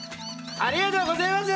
ありがとうごぜます！